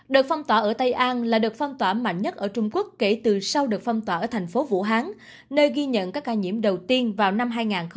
đợt phong tỏa ở tây an là đợt phong tỏa mạnh nhất ở trung quốc kể từ sau được phong tỏa ở thành phố vũ hán nơi ghi nhận các ca nhiễm đầu tiên vào năm hai nghìn một mươi